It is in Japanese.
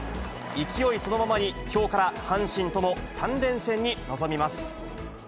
勢いそのままに、きょうから阪神との３連戦に臨みます。